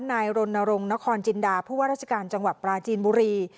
นายรณรงค์นครจินดาผู้ว่าราชการจังหวัดปราจีนบุรี